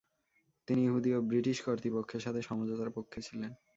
তিনি ইহুদি ও ব্রিটিশ কর্তৃপক্ষের সাথে সমঝোতার পক্ষে ছিলেন।